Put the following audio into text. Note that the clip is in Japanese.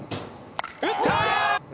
打った！